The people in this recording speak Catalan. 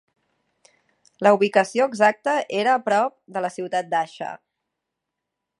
La ubicació exacta era prop de la ciutat d'Asha.